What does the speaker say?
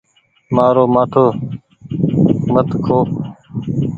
مآرو مآٿو مت کو۔